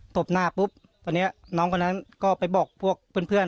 บหน้าปุ๊บตอนนี้น้องคนนั้นก็ไปบอกพวกเพื่อน